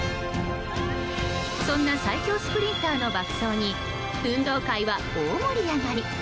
そんな最強スプリンターの爆走に運動会は大盛り上がり。